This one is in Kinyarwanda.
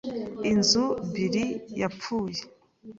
inzu, “Bill yapfuye.”